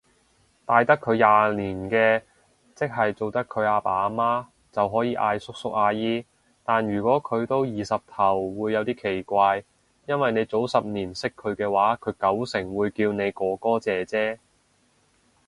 大得佢廿年嘅，即係做得佢阿爸阿媽，就可以嗌叔叔姨姨，但如果佢都二十頭會有啲奇怪，因為你早十年識佢嘅話佢九成會叫你哥哥姐姐